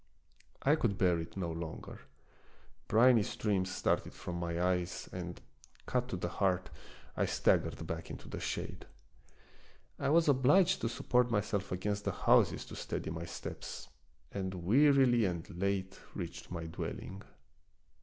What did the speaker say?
I could bear it no longer. Briny streams started from my eyes, and, cut to the heart, I staggered back into the shade. I was obliged to support myself against the houses to steady my steps, and wearily and late reached my dwelling.